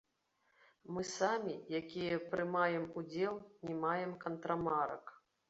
Мы самі, якія прымаем удзел, не маем кантрамарак!